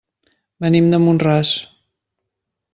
Venim de Mont-ras.